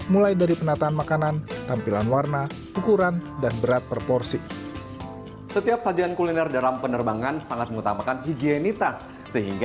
kualitas makanan masih atur untuk halaman makanan